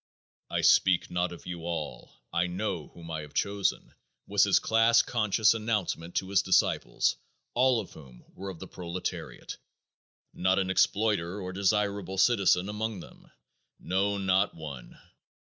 "I speak not of you all; I know whom I have chosen," was his class conscious announcement to his disciples, all of whom were of the proletariat, not an exploiter or desirable citizen among them. No, not one!